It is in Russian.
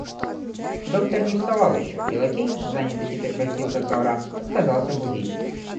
Доктор не вставал еще, и лакей, занятый теперь постилкой ковра, отказался будить.